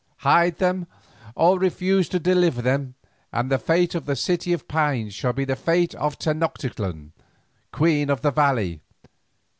Hide them or refuse to deliver them, and the fate of the City of Pines shall be as the fate of Tenoctitlan, queen of the valley.